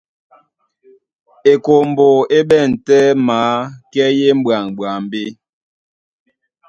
Ekombo é ɓɛ̂n tɛ́ maa, kɛ́ e e m̀ɓwaŋ ɓwambí.